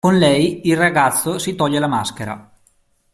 Con lei, il ragazzo si toglie la maschera.